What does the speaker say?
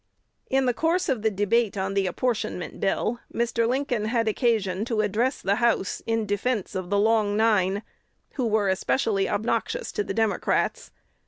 In the course of the debate on the Apportionment Bill, Mr. Lincoln had occasion to address the House in defence of "The Long Nine," who were especially obnoxious to the Democrats.